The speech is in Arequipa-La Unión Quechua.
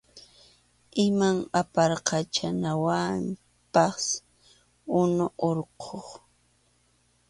Ima apaykachanawanpas unu hurquy.